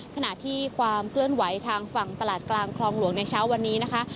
ขณะที่ความเคลื่อนไหวทางฝั่งตลาดกลางคลองหลวงในเช้าวันนี้นะคะ